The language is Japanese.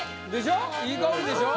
でしょ？